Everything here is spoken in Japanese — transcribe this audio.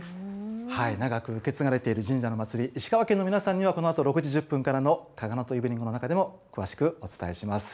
長く受け継がれている神社の祭り、石川県の皆さんには、このあと６時１０分からのかがのとイブニングの中でも詳しくお伝えします。